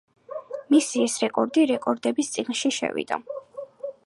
მისი ეს რეკორდი რეკორდების წიგნში შევიდა.